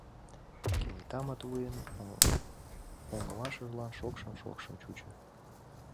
Кенета Матвуйын оҥылашыжлан шокшын-шокшын чучо.